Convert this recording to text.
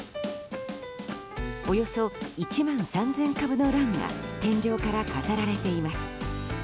およそ１万３０００株のランが天井から飾られています。